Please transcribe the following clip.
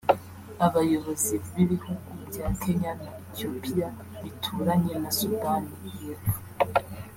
Abayobozi b’ibihugu bya Kenya na Ethiopia bituranye na Sudani y’Epfo